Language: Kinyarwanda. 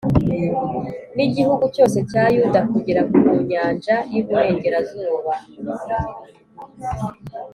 n’igihugu cyose cya yuda kugera ku nyanja y’iburengerazuba